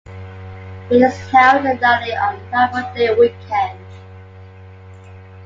It is held annually on Labor Day weekend.